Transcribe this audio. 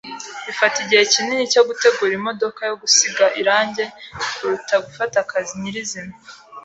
Bifata igihe kinini cyo gutegura imodoka yo gusiga irangi kuruta gufata akazi nyirizina.